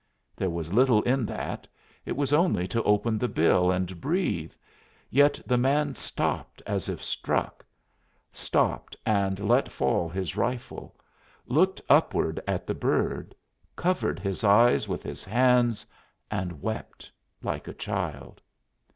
There was little in that it was only to open the bill and breathe; yet the man stopped as if struck stopped and let fall his rifle, looked upward at the bird, covered his eyes with his hands and wept like a child!